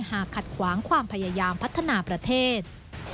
หากขัดขวางความพยายามพัฒนาประเทศ